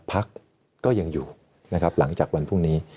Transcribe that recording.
พักก็ยังอยู่นะครับหลังจากวันพรุ่งนี้